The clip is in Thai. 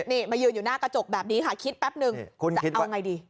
นี่มายืนอยู่หน้ากระจกแบบนี้ค่ะคิดแป๊บนึงจะเอาไงดี